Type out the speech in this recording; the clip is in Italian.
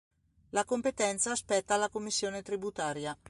La competenza spetta alla commissione tributaria.